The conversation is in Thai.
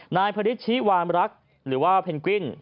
นายพระดิษฐ์ชีวารรักษ์หรือว่าเพนกวิ้น